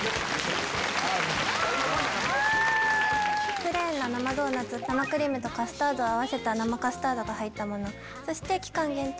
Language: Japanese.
プレーンの生ドーナツ生クリームとカスタードを合わせた生カスタードが入ったものそして期間限定